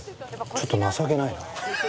ちょっと情けないな。